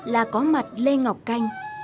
là có mặt lê ngọc canh